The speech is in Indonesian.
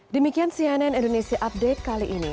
demikian cnn indonesia update kali ini